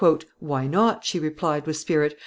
"Why not?" she replied, with spirit.